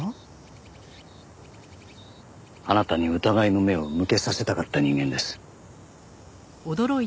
あなたに疑いの目を向けさせたかった人間です。